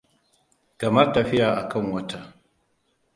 Kamar tafiya a kan wata.